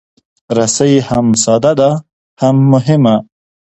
رسۍ هم ساده ده، هم مهمه.